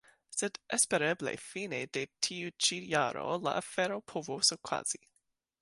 Sed espereble fine de tiu ĉi jaro la afero povos okazi.